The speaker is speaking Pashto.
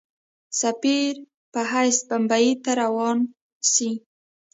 سفیر په حیث بمبیی ته روان سي.